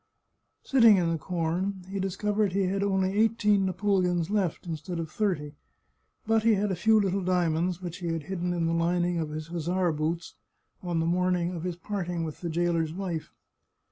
Sitting in the corn, he discovered he had only eighteen napoleons left, instead of thirty, but he had a few little dia monds which he had hidden in the lining of his hussar boots on the morning of his parting with the jailer's wife.